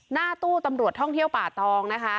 หน้าตู้ตำรวจท่องเที่ยวป่าตองนะคะ